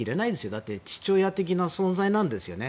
だって父親的な存在なんですよね。